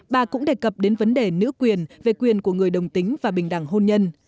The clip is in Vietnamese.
bà cũng đề cập đến vấn đề nữ quyền về quyền của người đồng tính và bình đẳng hôn nhân